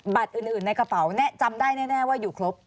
อื่นในกระเป๋าจำได้แน่ว่าอยู่ครบ